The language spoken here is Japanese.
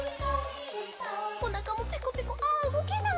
「おなかもペコペコああうごけない」「」